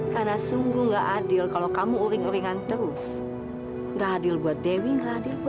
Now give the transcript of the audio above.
tunggu dulu dre tunggu dulu